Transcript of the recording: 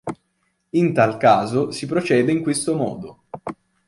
In tal caso, si procede in questo modo.